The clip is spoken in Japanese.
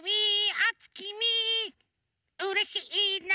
おつきみうれしいなっと。